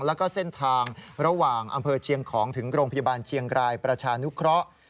แล้วก็เส้นทางระหว่างอำเภอเชียงของถึงโรงพยาบาลเชียงรายประชานุเคราะห์